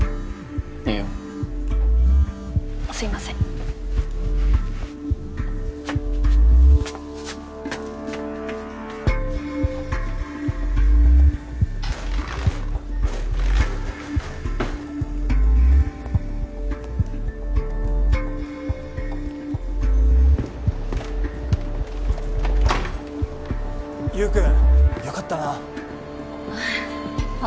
いいよすいません優君よかったなあ